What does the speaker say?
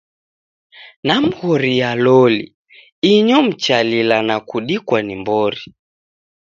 Namghoria loli, inyo mchalila na kudikwa ni mbori.